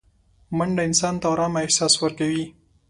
منډه انسان ته ارامه احساس ورکوي